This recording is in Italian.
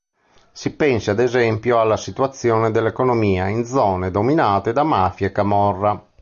Si pensi ad esempio alla situazione dell'economia in zone dominate da mafia e camorra.